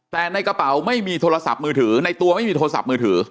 แต่ในกระเป๋าไม่มีโทรศัพท์มือถือในตัวไม่มีโทรศัพท์มือถือ